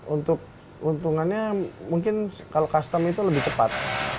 untuk keuntungannya mungkin kalau custom itu lebih cepat